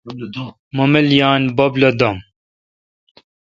مہ مل یان، بب لو دو°م۔